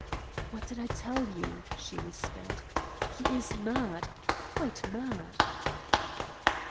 "What did I tell you?" she whispered. "He IS mad quite mad!"